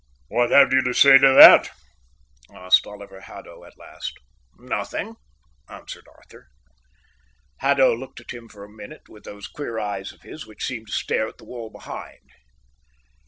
"What have you to say to that?" asked Oliver Haddo, at last. "Nothing," answered Arthur. Haddo looked at him for a minute with those queer eyes of his which seemed to stare at the wall behind.